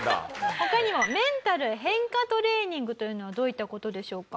他にもメンタル変化トレーニングというのはどういった事でしょうか？